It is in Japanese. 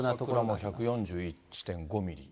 朝倉１４１．５ミリ。